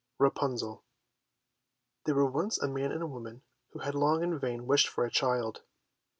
12 Rapunzel There were once a man and a woman who had long in vain wished for a child.